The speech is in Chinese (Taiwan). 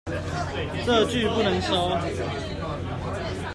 這句不能收